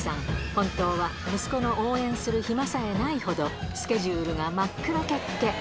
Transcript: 本当は息子の応援する暇さえないほどスケジュールが真っ黒けっけ